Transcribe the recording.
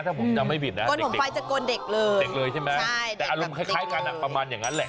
ถ้าผมจำไม่ผิดนะเด็กเด็กเลยใช่มั้ยอารมณ์คล้ายการนับประมาณอย่างนั้นแหละ